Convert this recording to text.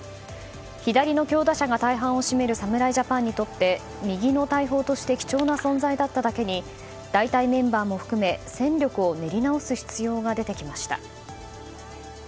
左の強打者が大半を占める侍ジャパンにとって右の大砲として貴重な存在だっただけに代替メンバーも含め戦力を練り直す必要が出てきました。